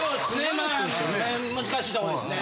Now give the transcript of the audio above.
まぁ難しいとこですね。